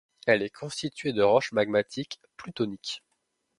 Elle est constituée de roches magmatiques plutoniques.